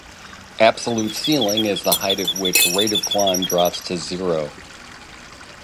Absolute ceiling is the height at which rate of climb drops to zero.